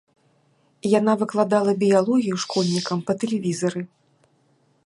Яна выкладала біялогію школьнікам па тэлевізары.